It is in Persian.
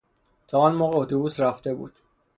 تا آن موقع اتوبوس رفته بود.